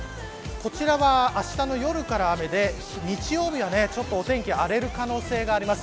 こちらは、あしたの夜から雨で日曜日はちょっとお天気荒れる可能性があります。